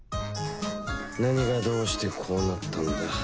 何がどうしてこうなったんだ？